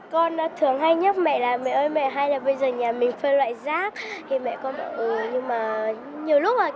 con thường hay nhất mẹ là mẹ ơi mẹ hay là bây giờ nhà mình phân loại rác